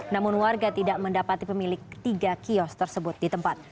namun warga tidak mendapati pemilik tiga kios tersebut di tempat